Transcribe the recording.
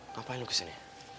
ngapain lu kesini